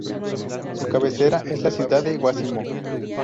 Su cabecera es la ciudad de Guácimo.